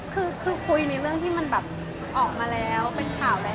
คือคือคุยในร่วมจัดมาแล้วเป็นข่าวแล้ว